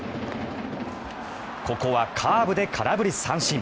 ここはカーブで空振り三振。